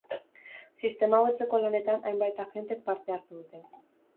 Sistema hobetzeko lanetan hainbat agentek parte hartu dute.